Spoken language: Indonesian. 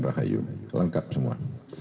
rahayu lengkap semua